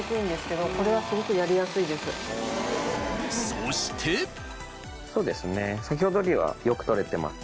そしてそうですね先程よりはよく取れてます。